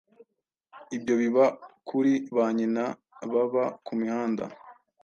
ibyo biba kuri ba nyina baba ku mihanda